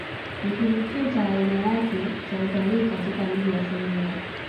Ni kivutio cha aina yake cha utalii katika Mji wa Songea